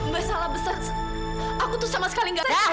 masalah besar aku tuh sama sekali nggak tahu